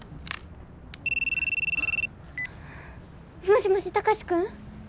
もしもし貴司君！？